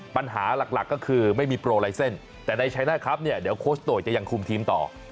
ปัญหาหลักก็คือไม่มีโปรไลเซ็นต์แต่ในชัยหน้าครับเนี่ยเดี๋ยวโคชโตยจะยังคุมทีมต่อ